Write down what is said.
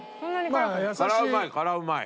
辛うまい辛うまい。